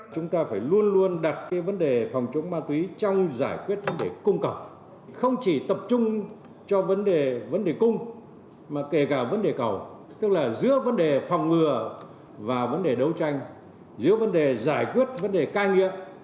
chúng ta phải luôn luôn đặt vấn đề phòng chống ma túy trong giải quyết vấn đề cung cầu không chỉ tập trung cho vấn đề vấn đề cung mà kể cả vấn đề cầu tức là giữa vấn đề phòng ngừa và vấn đề đấu tranh giữa vấn đề giải quyết vấn đề cai nghiện